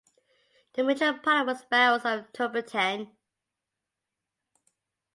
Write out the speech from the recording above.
The major product was barrels of turpentine.